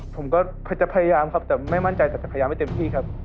ผมก็จะพยายามครับแต่ไม่มั่นใจแต่จะพยายามให้เต็มที่ครับ